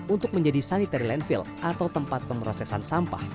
untuk menjadi sanitary landfill atau tempat pemrosesan sampah